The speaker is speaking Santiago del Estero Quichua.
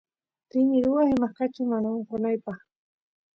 rini ruwaq imaqkachun mana onqonaypaq